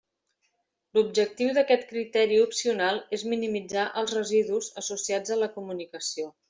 L'objectiu d'aquest criteri opcional és minimitzar els residus associats a la comunicació.